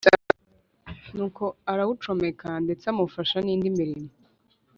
nuko arawucomeka ndetse amufasha n‘indi mirimo